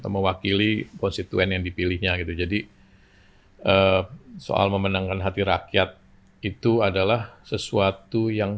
mewakili konstituen yang dipilihnya gitu jadi soal memenangkan hati rakyat itu adalah sesuatu yang